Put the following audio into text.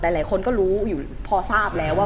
หลายคนก็รู้อยู่พอทราบแล้วว่า